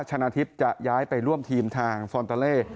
ชนะทิพย์จะย้ายไปร่วมทีมทางฟอนตาเล่